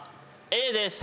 Ａです。